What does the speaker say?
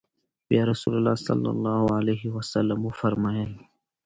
بيا رسول الله صلی الله عليه وسلم وفرمايل: